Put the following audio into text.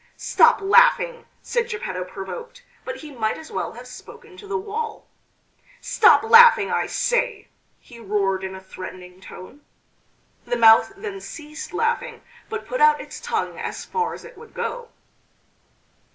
"Stop laughing!" said Geppetto provoked; but he might as well have spoken to the wall. "Stop laughing, I say!" he roared in a threatening tone. The mouth then ceased laughing, but put out its tongue as far as it would go.